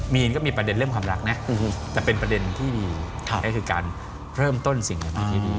มีนก็มีประเด็นเรื่องความรักนะแต่เป็นประเด็นที่ดีก็คือการเริ่มต้นสิ่งหนึ่งที่ดี